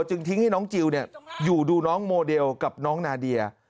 จึงทิ้งให้น้องจิลอยู่ดูน้องโมเดลกับน้องนาเดีย